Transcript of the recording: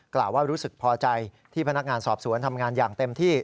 กล่าวว่ารู้สึกพอใจที่พนักงานสอบสวนทำงานอย่างเต็มที่